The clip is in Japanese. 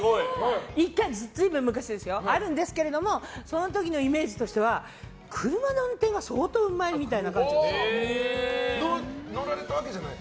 １回ずっと昔にあるんですけどもその時のイメージとしては車の運転が相当うまいみたいな乗られたわけじゃない？